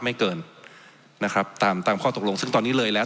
ไม่เกินนะครับตามตามข้อตกลงซึ่งตอนนี้เลยแล้ว